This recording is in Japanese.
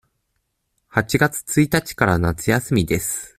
八月一日から夏休みです。